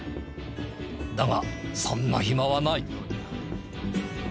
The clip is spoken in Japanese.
だがそんな暇はない。